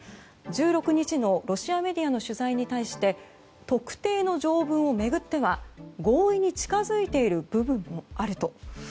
１６日のロシアメディアの取材に対して特定の条文を巡っては合意に近づいている部分もあると。